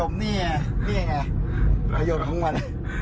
ผมนี่ไงนี่ไงประโยชน์ของมัน